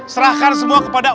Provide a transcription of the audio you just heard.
serahkan semua kepada